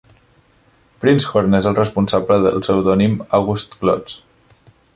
Prinzhorn és el responsable del pseudònim August Klotz.